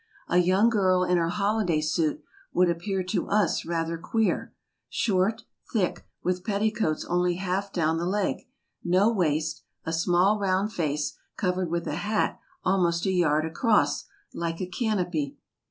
A young girl in her holiday suit, would appear to us rather queer: short, thick, with petticoats only half down the leg, no waist, a small round face, covered with a hat almost a yard across, like a canopy.